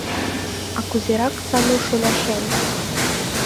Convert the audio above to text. — А кузерак Сану шоляшем?